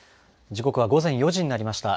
時刻は午前４時になりました。